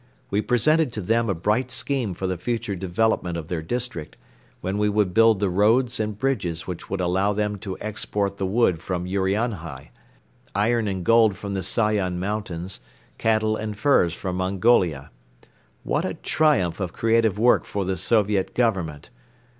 We presented to them a bright scheme for the future development of their district, when we would build the roads and bridges which would allow them to export the wood from Urianhai, iron and gold from the Sayan Mountains, cattle and furs from Mongolia. What a triumph of creative work for the Soviet Government!